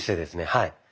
はい。